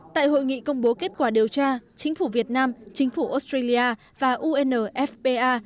tại hội nghị công bố kết quả điều tra chính phủ việt nam chính phủ australia và unfpa